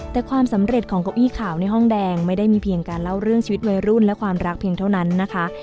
แต่ความสำเร็จของเก้าอี้ขาวในห้องแดงไม่ได้มีเพียงการเล่าเรื่องชีวิตวัยรุ่นและความรักเพียงเท่านั้นนะคะ